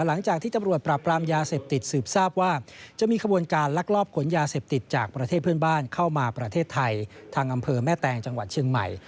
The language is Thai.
หลังจากที่ตำรวจปราบปรามยาเสพติดสืบทราบว่าจะมีขบวนการลักลอบขนยาเสพติดจากประเทศเพื่อนบ้านเข้ามาประเทศไทยทางอำเภอแม่แตงจังหวัดเชียงใหม่